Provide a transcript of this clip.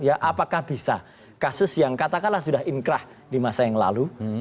apakah bisa kasus yang katakanlah sudah inkrah di masa yang lalu